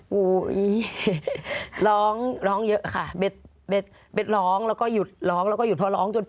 บ๊วยร้องเยอะค่ะเบสร้องเจ